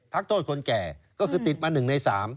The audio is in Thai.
พักโทษคนแก่ก็คือติดมา๑ใน๓